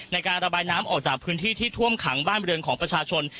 ในการระบายน้ำออกจากพื้นที่ที่ท่วมขังบ้านบริเวณของประชาชน